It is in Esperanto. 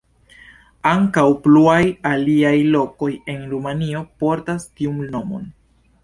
Ankaŭ pluaj aliaj lokoj en Rumanio portas tiun nomon.